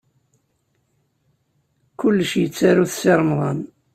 Kullec yettaru-t Si Remḍan.